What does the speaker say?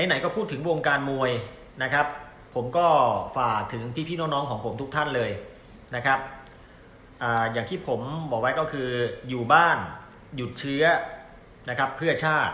ไหนก็พูดถึงวงการมวยนะครับผมก็ฝากถึงพี่น้องของผมทุกท่านเลยนะครับอย่างที่ผมบอกไว้ก็คืออยู่บ้านหยุดเชื้อนะครับเพื่อชาติ